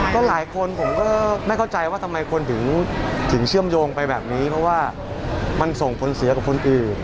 ก็หลายคนผมก็ไม่เข้าใจว่าทำไมคนถึงเชื่อมโยงไปแบบนี้เพราะว่ามันส่งผลเสียกับคนอื่น